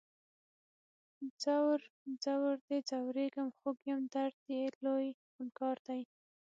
ځور، ځور دی ځوریږم خوږ یم درد یې لوی خونکار دی